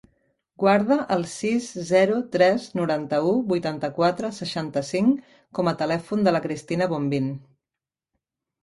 Guarda el sis, zero, tres, noranta-u, vuitanta-quatre, seixanta-cinc com a telèfon de la Cristina Bombin.